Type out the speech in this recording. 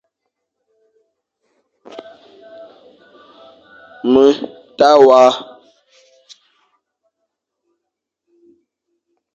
Me ta wa ;